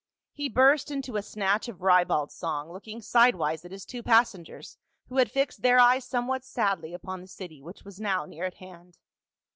He burst into a snatch of ribald song, looking sidewise at his two passengers, who had fixed their eyes somewhat sadly upon the city which was now near at hand.